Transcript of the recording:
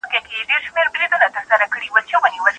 لس منفي پنځه؛ پنځه کېږي.